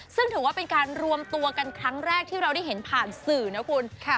ซึ่งถือว่าเป็นการรวมตัวกันครั้งแรกที่เราได้เห็นผ่านสื่อนะคุณ